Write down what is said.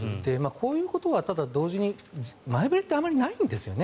こういうことは同時に前触れってあまりないんですよね。